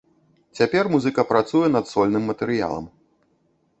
Цяпер музыка працуе над сольным матэрыялам.